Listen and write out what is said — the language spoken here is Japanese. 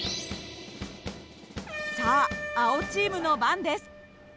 さあ青チームの番です。